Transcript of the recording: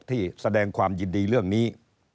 ที่แสดงความยินดีเรื่องนี้